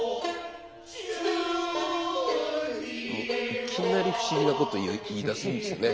いきなり不思議なこと言いだすんですよね。